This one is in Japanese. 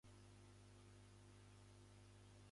シミュレーションを行う